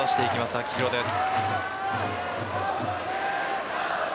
秋広です。